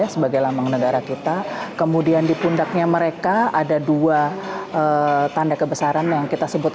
sebagai lambang negara kita kemudian di pundaknya mereka ada dua tanda kebesaran yang kita sebut